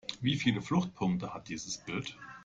Wie viele Fluchtpunkte hat dieses Bild?